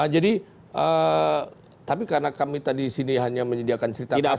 jadi tapi karena kami tadi hanya menyediakan cerita kasus